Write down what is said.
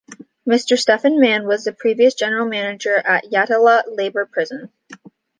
Mr. Stephen Mann was the previous General Manager of Yatala Labour Prison.